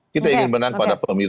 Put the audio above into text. kita ingin menang pada pemilu